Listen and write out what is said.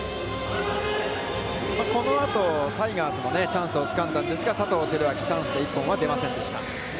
このあとタイガースもね、チャンスをつかんだですが、佐藤輝明、チャンスで１本は出ませんでした。